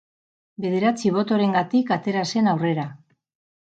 Bederatzi botorengatik atera zen aurrera.